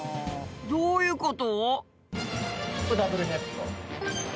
どういうこと？